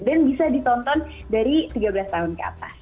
dan bisa ditonton dari tiga belas tahun ke atas